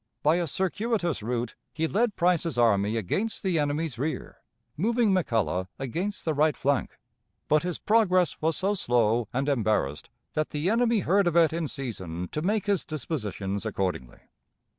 By a circuitous route, he led Price's army against the enemy's rear, moving McCulloch against the right flank; but his progress was so slow and embarrassed, that the enemy heard of it in season to make his dispositions accordingly.